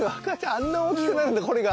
あんな大きくなるんだこれが。